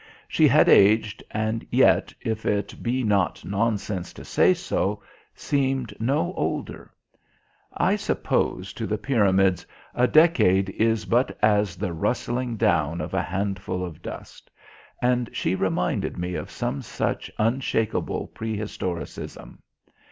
She had aged, and yet, if it be not nonsense to say so, seemed no older. I suppose to the Pyramids a decade is but as the rustling down of a handful of dust. And she reminded me of some such unshakable prehistoricism.